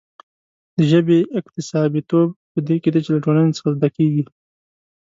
د ژبې اکتسابيتوب په دې کې دی چې له ټولنې څخه زده کېږي.